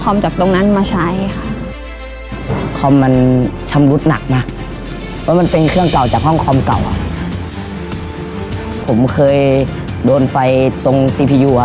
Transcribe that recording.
ประชาสัมพันธ์นะคะสำหรับวันนี้ขอให้นักแรงไปค่ะ